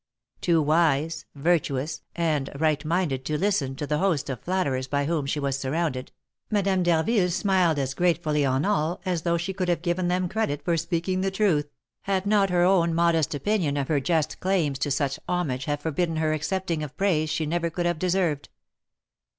Too wise, virtuous, and right minded to listen to the host of flatterers by whom she was surrounded, Madame d'Harville smiled as gratefully on all as though she could have given them credit for speaking the truth, had not her own modest opinion of her just claims to such homage have forbidden her accepting of praise she never could have deserved.